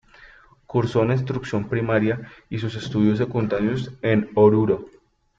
Cursó la instrucción primaria y sus estudios secundarios en Oruro.